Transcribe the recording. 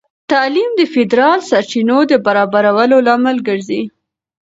تعلیم د فیدرال سرچینو د برابرولو لامل ګرځي.